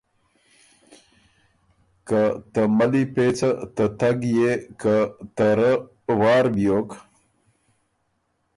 که ته ملّي پیڅه ته تګ يې که ته رۀ وار بیوک